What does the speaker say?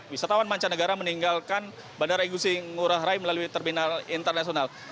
wisatawan mancanegara meninggalkan bandara igusi ngurah rai melalui terminal internasional